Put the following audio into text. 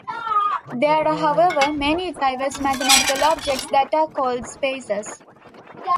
There are however, many diverse mathematical objects that are called spaces.